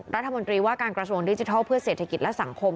รัฐมนตรีว่าการกระทรวงดิจิทัลเพื่อเศรษฐกิจและสังคม